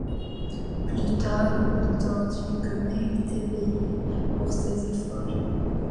Plus tard, on prétendit que May était payé pour ses efforts.